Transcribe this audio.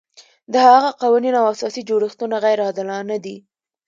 د هغه قوانین او اساسي جوړښتونه غیر عادلانه دي.